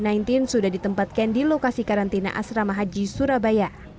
covid sembilan belas sudah ditempatkan di lokasi karantina asrama haji surabaya